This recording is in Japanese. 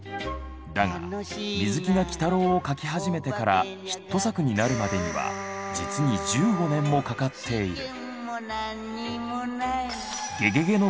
だが水木が鬼太郎を描き始めてからヒット作になるまでには実に１５年もかかっている。